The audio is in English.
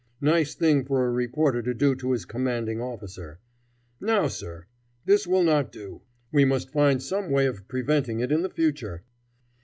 "Nice thing for a reporter to do to his commanding officer. Now, sir! this will not do. We must find some way of preventing it in the future.